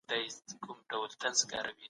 نورو ته له زیان رسولو توبه وباسئ.